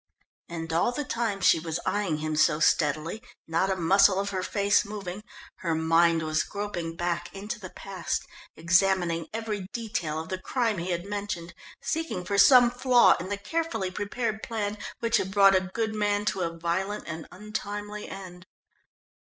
And all the time she was eyeing him so steadily, not a muscle of her face moving, her mind was groping back into the past, examining every detail of the crime he had mentioned, seeking for some flaw in the carefully prepared plan which had brought a good man to a violent and untimely end.